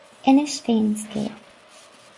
Inis féin scéal.